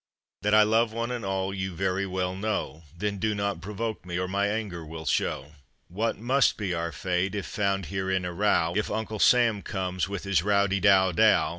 That I love one and all you very well know, Then do not provoke me or my anger will show. What must be our fate if found here in a row, If Uncle Sam comes with his row de dow dow.